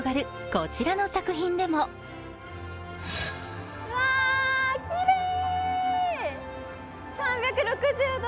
こちらの作品でもうわぁきれい！